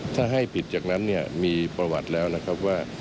ถ้าให้ผิดจากนั้นเนี่ยมีประวัติแล้วนะครับว่า